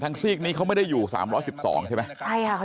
ใช่ค่ะเขาอยู่๑๘๘ค่ะ